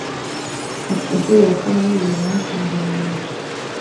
Ati “Inshuro ya kane ni iyi bansanze mu nzu